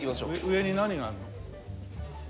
上に何があるの？